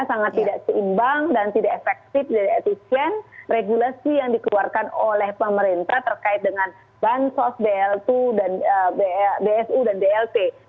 sangat tidak seimbang dan tidak efektif dan efisien regulasi yang dikeluarkan oleh pemerintah terkait dengan bansos bl dua bsu dan blt